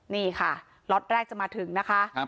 นี่ค่ะล็อตแรกจะมาถึงนะคะ